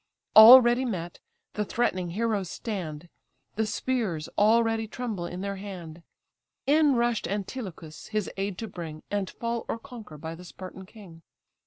Already met, the threatening heroes stand; The spears already tremble in their hand: In rush'd Antilochus, his aid to bring, And fall or conquer by the Spartan king.